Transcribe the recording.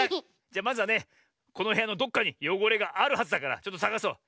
じゃまずはねこのへやのどこかによごれがあるはずだからちょっとさがそう。